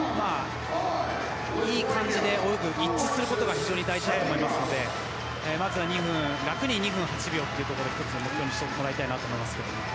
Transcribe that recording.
いい感じで泳ぐ一致することが大事だと思いますのでまずは、楽に２分８秒を目標にしてもらいたいなと思いますね。